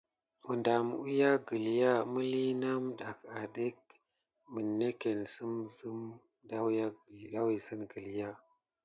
Medam wiya gəlya miliye name dadah adake minetken sim sime ɗaou wisi gəlya.